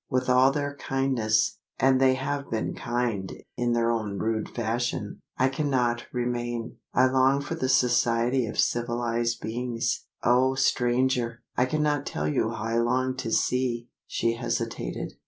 With all their kindness and they have been kind, in their own rude fashion I cannot remain. I long for the society of civilised beings. O stranger! I cannot tell you how I long to see!" She hesitated.